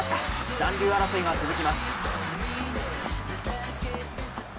残留争いが続きます。